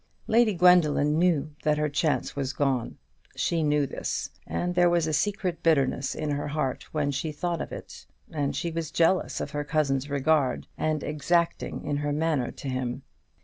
Lady Gwendoline knew that her chance was gone. She knew this; and there was a secret bitterness in her heart when she thought of it, and she was jealous of her cousin's regard, and exacting in her manner to him.